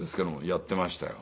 やってましたよ。